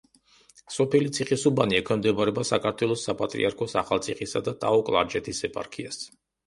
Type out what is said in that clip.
სოფელი ციხისუბანი ექვემდებარება საქართველოს საპატრიარქოს ახალციხისა და ტაო-კლარჯეთის ეპარქიას.